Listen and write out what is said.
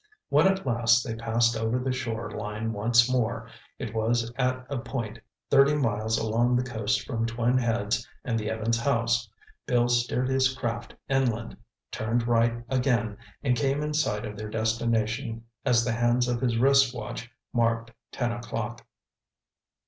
When at last they passed over the shore line once more, it was at a point thirty miles along the coast from Twin Heads and the Evans house. Bill steered his craft inland, turned right again and came in sight of their destination as the hands of his wristwatch marked ten o'clock.